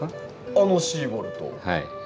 あのシーボルト？